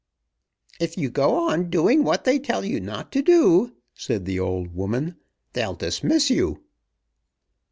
'" "If you go on doing what they tell you not to do," said the old woman, "they'll dismiss you."